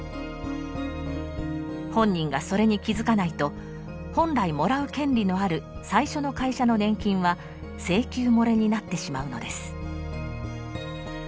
本人がそれに気付かないと本来もらう権利のある最初の会社の年金は「請求もれ」になってしまうのです。